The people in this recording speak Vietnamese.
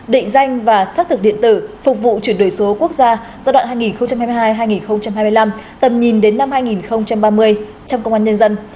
định danh và xác thực điện tử phục vụ chuyển đổi số quốc gia giai đoạn hai nghìn hai mươi hai hai nghìn hai mươi năm tầm nhìn đến năm hai nghìn ba mươi trong công an nhân dân